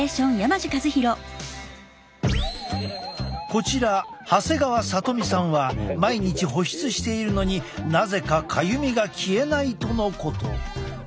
こちら長谷川都美さんは毎日保湿しているのになぜかかゆみが消えないとのこと。